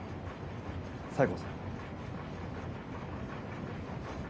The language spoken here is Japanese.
西郷さん。